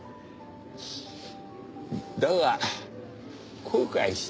だが後悔してた。